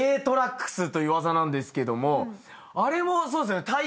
トラックスという技なんですがあれもそうですね